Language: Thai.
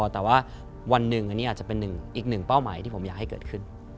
แต่ว่าวันหนึ่งอันนี้อาจจะเป็นอีกหนึ่งเป้าหมายที่ผมอยากให้เกิดขึ้น